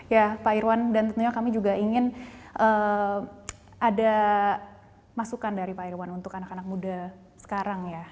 ya pak irwan dan tentunya kami juga ingin ada masukan dari pak irwan untuk anak anak muda sekarang ya